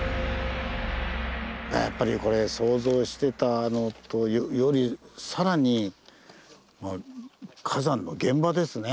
やっぱりこれ想像してたのより更に火山の現場ですね。